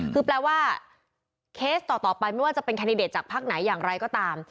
คือแปลว่าเคสต่อไปไม่ว่าจะเป็นแคนดิเดตจากพักไหนอย่างไรก็ตาม